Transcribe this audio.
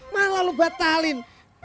malah lu batalin